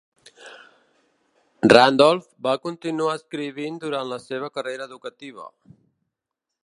Randolph va continuar escrivint durant la seva carrera educativa.